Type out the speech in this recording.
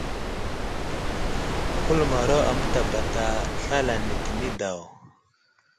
Kuləmaro a mətabata slal ane tə nay daw.